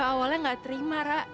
gue awalnya gak terima ra